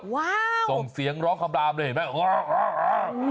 ส่งเสียงร้องคำรามเลยเห็นไหม